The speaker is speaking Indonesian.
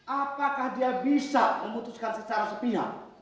apakah dia bisa memutuskan secara sepihak